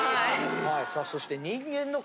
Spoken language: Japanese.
はいさあそして。